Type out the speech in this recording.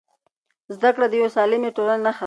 زده کړه د یوې سالمې ټولنې نښه ده.